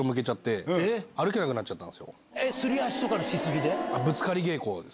すり足とかのし過ぎで？